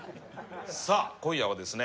さあ今夜はですね